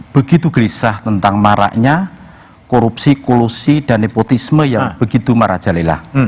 begitu gelisah tentang maraknya korupsi kolusi dan nepotisme yang begitu marajalela